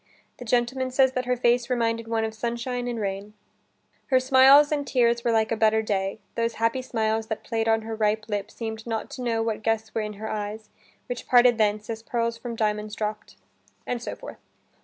The gentleman says that her face reminded one of sunshine and rain. "Her smiles and tears Were like a better day; those happy smiles That play'd on her ripe lip seem'd not to know What guests were in her eyes; which parted thence, As pearls from diamonds dropp'd." And so forth.